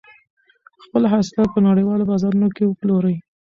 خپل حاصلات په نړیوالو بازارونو کې وپلورئ.